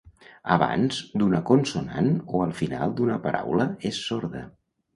Abans d'una consonant o al final d'una paraula és sorda.